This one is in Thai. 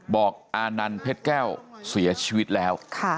อานันต์เพชรแก้วเสียชีวิตแล้ว